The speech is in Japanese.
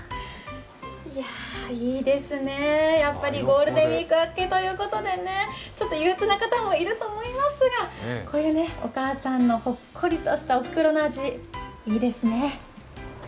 いいですね、やっぱりゴールデンウイーク明けということでゆううつな方もいると思いますがお母さんのほっこりとしたおふくろの味いいですね。